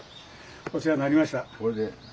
お世話になりました。